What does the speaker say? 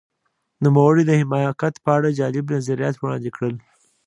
نوموړي د حماقت په اړه جالب نظریات وړاندې کړل.